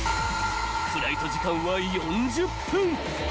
［フライト時間は４０分］